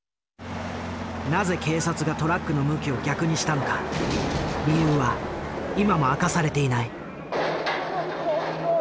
なぜ警察がトラックの向きを逆にしたのか理由は今も明かされていない。